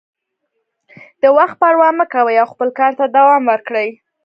د وخت پروا مه کوئ او خپل کار ته دوام ورکړئ.